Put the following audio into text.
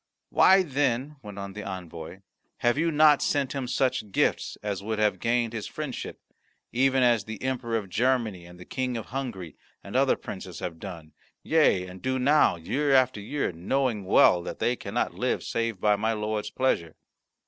"Why, then," went on the envoy, "have you not sent him such gifts as would have gained his friendship, even as the Emperor of Germany and the King of Hungary and other princes have done, yea, and do now year after year, knowing well that they cannot live save by my lord's pleasure?"